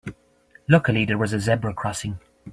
Luckily there was a zebra crossing.